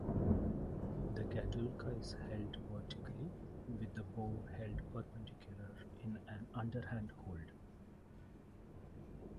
The gadulka is held vertically, with the bow held perpendicular in an under-hand hold.